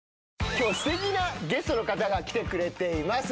今日はすてきなゲストの方が来てくれてます。